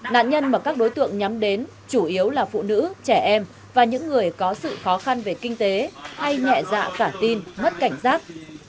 nạn nhân mà các đối tượng nhắm đến chủ yếu là phụ nữ trẻ em và những người có sự khó khăn về kinh tế hay nhẹ dạ cả tin mất cảnh giác